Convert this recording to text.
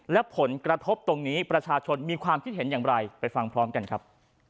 และผลกระทบตรงนี้ประชาชนมีความคิดเห็นอย่างไรไปฟังพร้อมกันครับ